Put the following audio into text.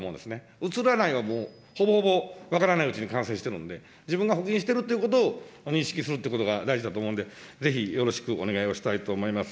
うつらないがもうほぼほぼ分からないうちに感染してるんで、自分が保菌しているっていうことを、認識するということが大事だと思うんで、ぜひ、よろしくお願いをしたいと思います。